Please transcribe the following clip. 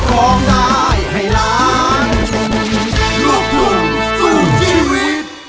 โรคทุ่มสูงที่วิ